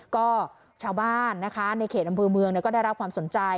ก็ชาวบ้านนะคะในเขตอำเภอเมืองก็ได้รับความสนใจ